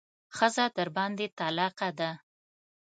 ښځه درباندې طلاقه ده.